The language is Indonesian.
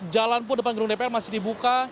jalan pun depan gedung dpr masih dibuka